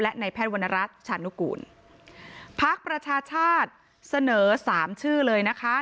และในแพทย์วรรณรัฐชานุกูลพักประชาชาติเสนอสามชื่อเลยนะคะ